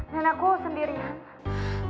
dan aku sendirian